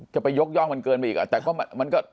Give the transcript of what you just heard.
ชอบไปยกย่อของมันอีกก็เลย